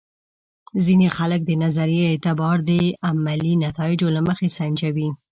ځینې خلک د نظریې اعتبار د عملي نتایجو له مخې سنجوي.